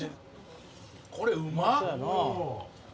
これうまっ！